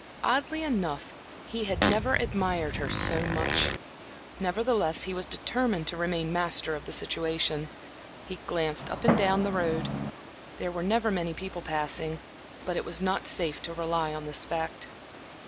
Oddly enough, he had never admired her so much. Nevertheless, he was determined to remain master of the situation. He glanced up and down the road; there were never many people passing, but it was not safe to rely on this fact.